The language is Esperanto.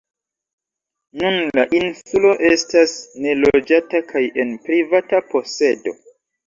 Nun la insulo estas neloĝata kaj en privata posedo.